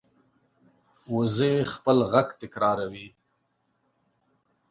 وزې خپل غږ تکراروي